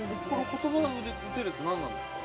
◆言葉を打てるやつ何なんですか？